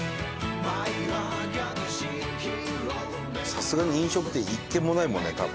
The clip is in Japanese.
さすがに飲食店１軒もないもんね多分。